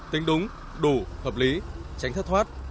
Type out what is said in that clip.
tính đúng đủ hợp lý tránh thất thoát